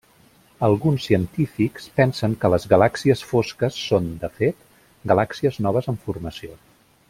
Alguns científics pensen que les galàxies fosques són, de fet, galàxies noves en formació.